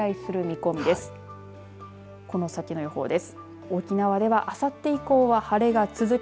この先の予報です。